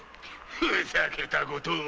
ふざけたことを！